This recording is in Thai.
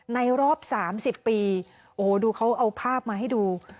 ในรอบ๓๐ปีโอ้โหดูเขาเอาภาพมาให้ดู